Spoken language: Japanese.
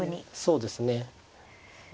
そうですね。